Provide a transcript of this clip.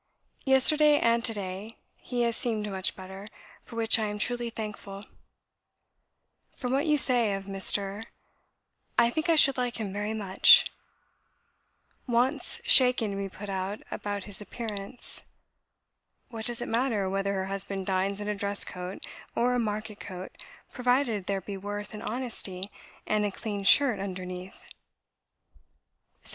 Yesterday and to day he has seemed much better, for which I am truly thankful. ... "From what you say of Mr. , I think I should like him very much. wants shaking to be put out about his appearance. What does it matter whether her husband dines in a dress coat, or a market coat, provided there be worth, and honesty, and a clean shirt underneath?" "Sept.